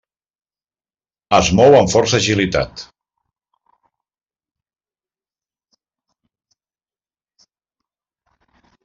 Es mou amb força agilitat.